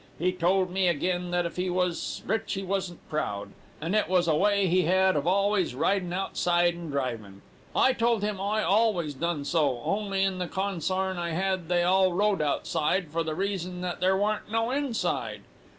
He told me again that if he was rich he wasn't proud, and it was a way he had of always ridin' outside and drivin'. I told him I always done so, only in the consarn I had they all rode outside, for the reason that there warn't no inside.